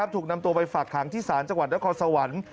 ถึงนำตัวไปฝากขั้งที่สหรษ์จังหวัดและคสวรรค์